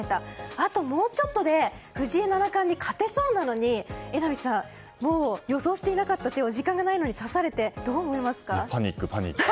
あともうちょっとで藤井七冠に勝てそうなのに榎並さん予想していなかった手を時間がないのに指されてどう思いますか？